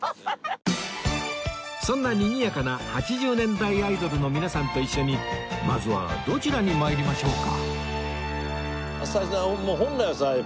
そんなにぎやかな８０年代アイドルの皆さんと一緒にまずはどちらに参りましょうか？